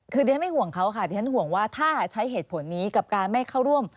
คือดิฉันไม่ห่วงเขาค่ะดิฉันห่วงว่าถ้าใช้เหตุผลนี้กับการไม่เข้าร่วม